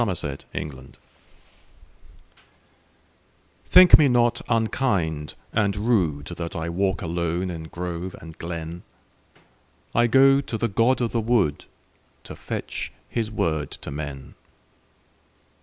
The Apology THINK me not unkind and rudeThat I walk alone in grove and glen;I go to the god of the woodTo fetch his word to men.